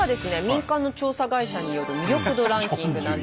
民間の調査会社による魅力度ランキングなんですけれど。